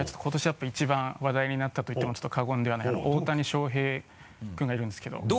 今年やっぱ一番話題になったと言っても過言ではない大谷翔平くんがいるんですけど。